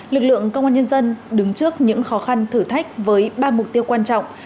lực lượng công an nhân dân đứng trước những khó khăn thử thách với ba mục tiêu quan trọng